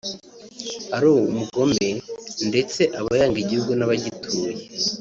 ari umugome ndetse aba yanga igihugu n’abagituye